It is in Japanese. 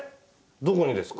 どこにですか？